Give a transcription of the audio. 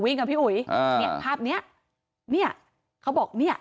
ในตายยอมรับแค่ว่า